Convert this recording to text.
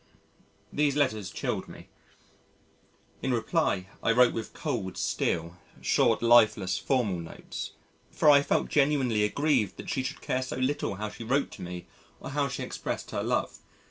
These letters chilled me. In reply, I wrote with cold steel short, lifeless formal notes, for I felt genuinely aggrieved that she should care so little how she wrote to me or how she expressed her love.